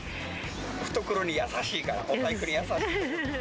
懐に優しいから、お財布に優しい。